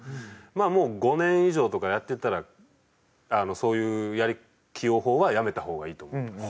あもう５年以上とかやってたらそういう起用法はやめた方がいいと思います。